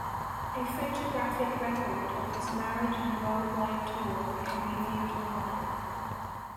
A photographic record of his marriage and worldwide tour can be viewed online.